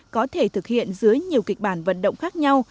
có thể thực hiện dưới nhiều kịch bản vận động khác nhau